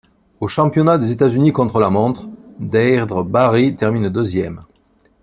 Aux championnat des États-Unis contre-la-montre, Deidre Barry termine deuxième.